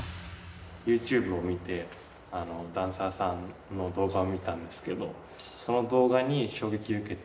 ユーチューブを見て、ダンサーさんの動画を見たんですけど、その動画に衝撃を受けて。